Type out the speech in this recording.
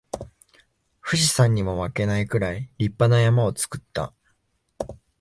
富士山にも負けないくらい立派な山を作った